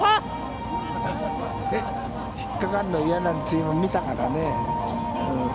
ひっかかるの嫌だというの見たからね。